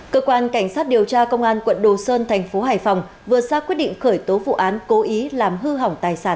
cơ quan cảnh sát điều tra công an quận đồ sơn thành phố hải phòng vừa ra quyết định khởi tố vụ án cố ý làm hư hỏng tài sản